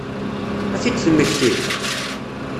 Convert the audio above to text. Ad t-id-temmekti?